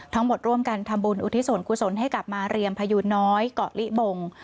ทั้งหมดร่วมกันทำบุญอุทิศนคุณศนให้กับมาเรียมพยูน้อยเกาะลิบ่ง